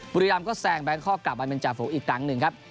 บุรีรำก็แซงแบงคอกกลับมาเป็นจ่าฝูอีกครั้งหนึ่งครับ